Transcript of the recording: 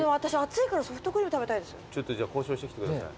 ちょっと交渉してきてください。